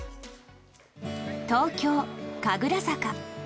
東京・神楽坂。